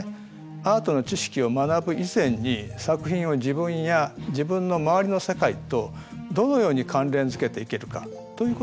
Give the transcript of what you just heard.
アートの知識を学ぶ以前に作品を自分や自分の周りの世界とどのように関連づけていけるかということが大切なんです。